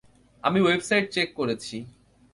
আমি website check করেছি।